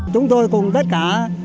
chúng tôi cùng tất cả